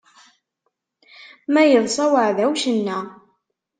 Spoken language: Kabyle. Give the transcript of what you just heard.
Ma iḍsa uɛdaw, cenna!